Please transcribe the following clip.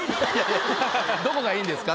どこが良いんですか？